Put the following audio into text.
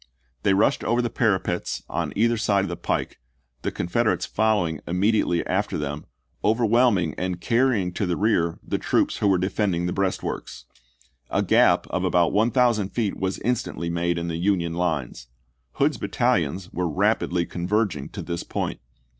They rushed chap. i. over the parapets on either side of the pike, the Confederates following immediately after them, overwhelming and carrying to the rear the troops Nov.3o,i864. who were defending the breastworks. A gap of about one thousand feet was instantly made in the Union lines ; Hood's battalions were rapidly con verging to this point.